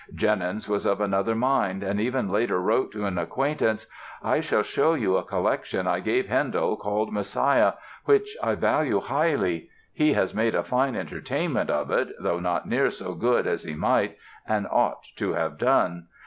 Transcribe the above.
Jennens was of another mind and even later wrote to an acquaintance: "I shall show you a collection I gave Handel, called 'Messiah' which I value highly; he has made a fine entertainment of it, though not near so good as he might and ought to have done....